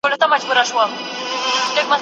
شاګرد د ليکني پایله څنګه جوړوي؟